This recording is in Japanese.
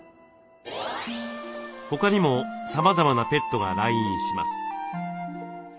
他にもさまざまなペットが来院します。